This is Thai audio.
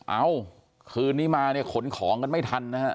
เอ้าคืนนี้มาเนี่ยขนของกันไม่ทันนะฮะ